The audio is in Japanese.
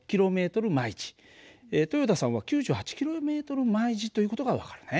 豊田さんは９８ｋｍ／ｈという事が分かるね。